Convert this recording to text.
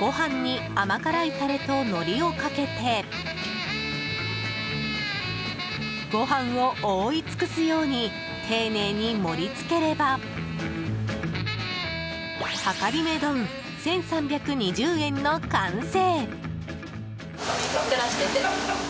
ご飯に甘辛いタレとのりをかけてご飯を覆い尽くすように丁寧に盛り付ければはかりめ丼、１３２０円の完成。